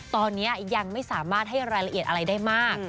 ตอนนี้ยังไม่สามารถให้รายละเอียดอะไรได้มาก